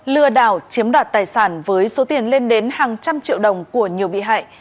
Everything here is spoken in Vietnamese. lừa đảo chiếm đoạt tài sản với số tiền lên đến hàng trăm triệu đồng của nhiều bị hại